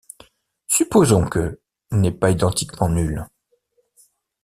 Supposons que n'est pas identiquement nulle.